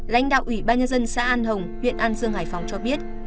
lãnh đạo ủy ban nhân dân xã an hồng huyện an dương hải phòng cho biết